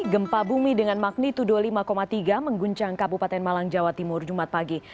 gempa bumi dengan magnitudo lima tiga mengguncang kabupaten malang jawa timur jumat pagi